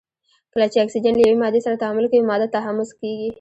کله چې اکسیجن له یوې مادې سره تعامل کوي ماده تحمض کیږي.